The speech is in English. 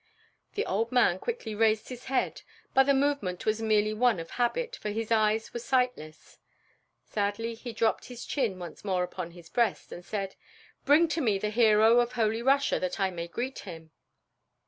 The old man quickly raised his head, but the movement was merely one of habit, for his eyes were sightless. Sadly he dropped his chin once more upon his breast, and said, "Bring to me the hero of Holy Russia that I may greet him."